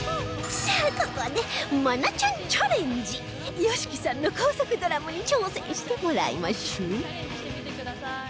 さあここで愛菜ちゃんチャレンジＹＯＳＨＩＫＩ さんの高速ドラムに挑戦してもらいましょう